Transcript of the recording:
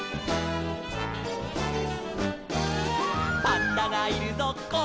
「パンダがいるぞこっちだ」